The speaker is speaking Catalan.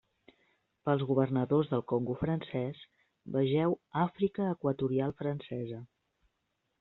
Pels governadors del Congo Francès vegeu Àfrica Equatorial Francesa.